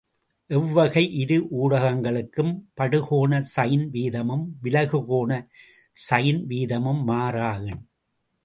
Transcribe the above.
எவ்வகை இரு ஊடகங்களுக்கும் படுகோணச் சைன் வீதமும் விலகு கோணச் சைன் வீதமும் மாறா எண்.